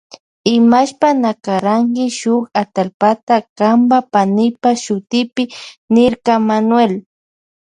Imashpata na karanki shuk atallpata kanpa y panipa shutipi niyrka Manuel.